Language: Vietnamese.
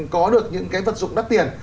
có được những cái vật dụng đắt tiền